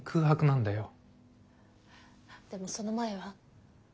でもその前は？